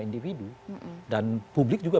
individu dan publik juga